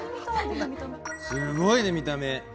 すごいね見た目。